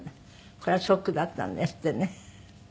これはショックだったんですってね。